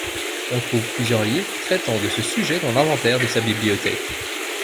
On trouve plusieurs livres traitant de ce sujet dans l'inventaire de sa bibliothèque.